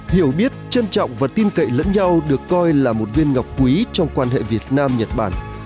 hiểu biết trân trọng và tin cậy lẫn nhau được coi là một viên ngọc quý trong quan hệ việt nam nhật bản